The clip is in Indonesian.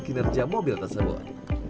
kinerja mobil tersebut